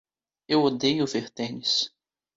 Eu odeio ver tênis.